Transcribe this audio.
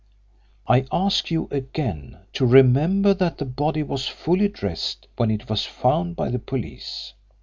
I ask you again to remember that the body was fully dressed when it was found by the police.